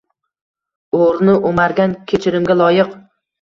O‘g‘rini o‘margan kechirimga loyiq